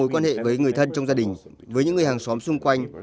mối quan hệ với người thân trong gia đình với những người hàng xóm xung quanh